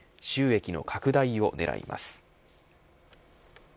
収益の拡大を狙います。